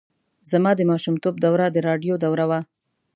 زما د ماشومتوب دوره د راډیو دوره وه.